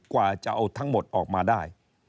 กว่าจะเอาทั้งหมดออกมาได้